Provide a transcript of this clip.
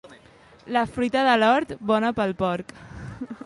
La fruita de l'hort, bona pel porc.